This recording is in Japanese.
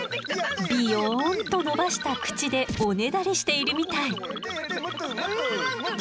ビヨーンとのばした口でおねだりしているみたい。